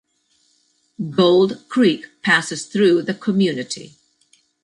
Gold Creek passes through the community.